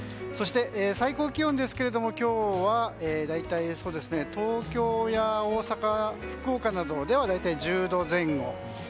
そして、最高気温ですが今日は大体東京や大阪、福岡などでは大体１０度前後。